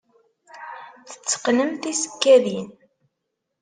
Tetteqqnem tisekkadin?